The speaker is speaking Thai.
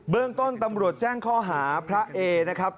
เรื่องต้นตำรวจแจ้งข้อหาพระเอนะครับ